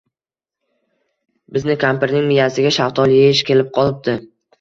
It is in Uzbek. Bizni kampirning miyasiga shaftoli eyish kelib qolibdi